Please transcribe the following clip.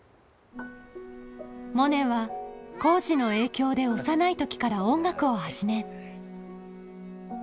モネは耕治の影響で幼い時から音楽を始め。